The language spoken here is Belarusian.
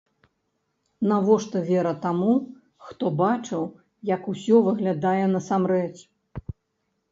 Навошта вера таму, хто бачыў, як усё выглядае насамрэч?